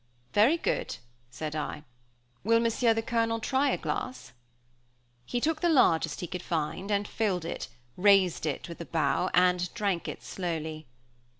"Very good," said I. "Will Monsieur the Colonel try a glass?" He took the largest he could find, and filled it, raised it with a bow, and drank it slowly.